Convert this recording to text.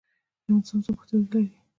یو انسان څو پښتورګي لري